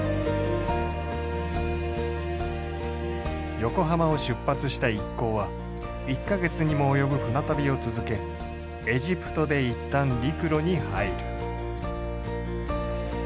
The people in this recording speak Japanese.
横浜を出発した一行は１か月にも及ぶ船旅を続けエジプトでいったん陸路に入る。